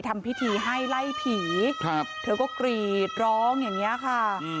ทำพิธีให้ไล่ผีเขาก็กรีดร้องอย่างนี้ค่ะ